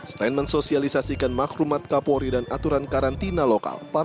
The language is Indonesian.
stein mensosialisasikan makhrumat kapolri dan aturan karantina lokal yang terkenal di kabupaten sulawesi selatan